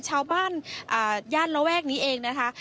ชาวบ้านย่านระแวกนี้เองนะคะ